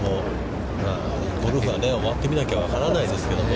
ゴルフは終わってみなきゃ分からないですけども。